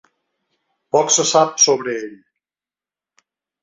Poc se sap sobre ell.